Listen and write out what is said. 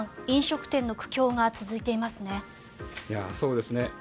飲食店の苦境が続いていますね。